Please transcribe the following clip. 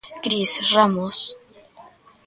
Cris Ramos.